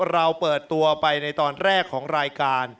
เราเปิดตัวไปในตอนแรกของรายการ